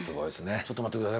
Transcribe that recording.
ちょっと待って下さい。